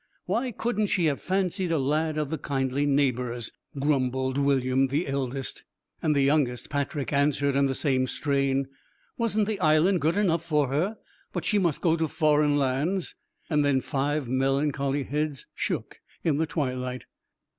'Why couldn't she have fancied a lad of the kindly neighbours?' grumbled William, the eldest. And the youngest, Patrick, answered in the same strain, 'Wasn't the Island good enough for her but she must go to foreign lands?' And then five melancholy heads shook in the twilight.